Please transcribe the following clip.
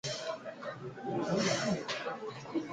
It is also used for Seismic tomography and other applications.